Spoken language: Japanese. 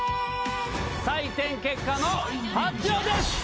採点結果の発表です！